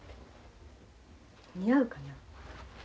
似合うかな？